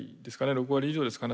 ６割以上ですかね